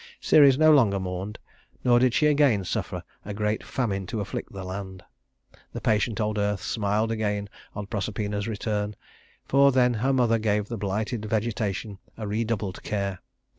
Ceres no longer mourned, nor did she again suffer a great famine to afflict the land. The patient old earth smiled again on Proserpina's return, for then her mother gave the blighted vegetation a redoubled care.